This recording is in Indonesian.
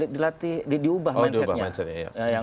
dilatih diubah mindsetnya